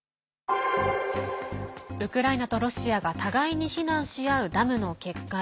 ウクライナとロシアが互いに非難し合うダムの決壊。